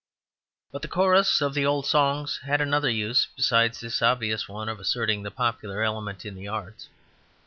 But the chorus of the old songs had another use besides this obvious one of asserting the popular element in the arts.